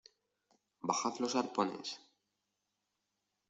bajad los arpones.